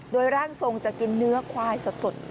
โดยร่างทรงจะกินเนื้อควายสด